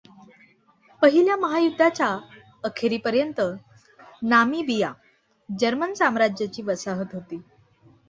पहिल्या महायुद्धाच्या अखेरीपर्यंत नामिबिया जर्मन साम्राज्याची वसाहत होती.